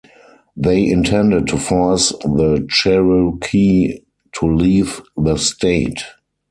They intended to force the Cherokee to leave the state.